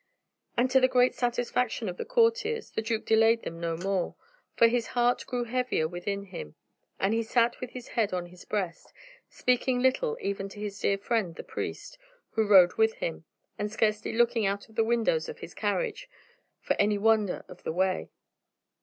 And, to the great satisfaction of the courtiers, the duke delayed them no more, for his heart grew heavier within him, and he sat with his head on his breast, speaking little even to his dear friend the priest, who rode with him, and scarcely looking out of the windows of his carriage, for any wonder of the way.